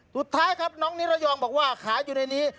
สุดท้ายครับน้องนิรยองบอกว่าขายอยู่ในนี้